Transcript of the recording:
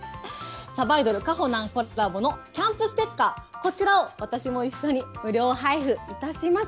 さばいどる、かほなんコラボのキャンプステッカー、こちらを私も一緒に無料配布いたします。